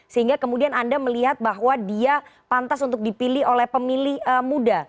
sehingga kemudian anda melihat bahwa dia pantas untuk dipilih oleh pemilih muda